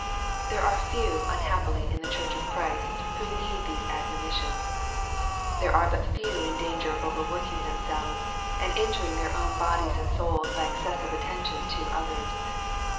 There are few unhappily in the church of Christ, who need these admonitions. There are but few in danger of overworking themselves, and injuring their own bodies and souls by excessive attention to others.